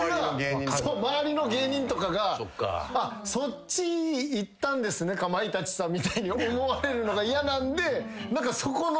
周りの芸人とかが「そっちいったんですねかまいたちさん」みたいに思われるのが嫌なんでそこの。